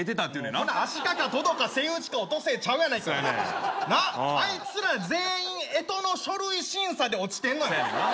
ほなアシカかトドかセイウチかオットセイちゃうやないかあいつら全員干支の書類審査で落ちてんのよ